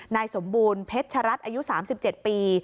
นายสมบูรณ์เพชรัตน์อายุ๓๗ปี